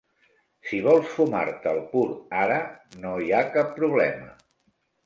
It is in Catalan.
Si vols fumar-te el pur ara, no hi ha cap problema.